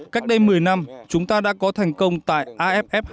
cách đây một mươi năm chúng ta đã có thành công tại aff hai nghìn tám